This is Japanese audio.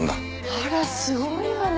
あらすごいわね！